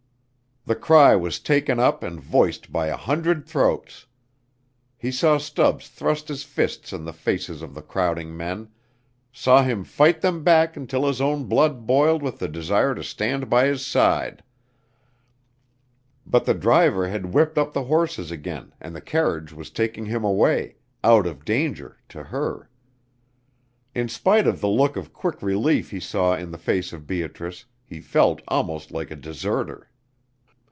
The cry was taken up and voiced by a hundred throats. He saw Stubbs thrust his fists in the faces of the crowding men, saw him fight them back until his own blood boiled with the desire to stand by his side. But the driver had whipped up the horses again and the carriage was taking him away out of danger to her. In spite of the look of quick relief he saw in the face of Beatrice, he felt almost like a deserter.